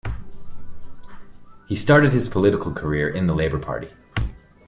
He started his political career in the Labour Party.